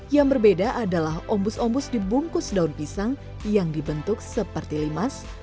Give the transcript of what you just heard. yang berbeda adalah ombus ombus dibungkus daun pisang yang dibentuk seperti limas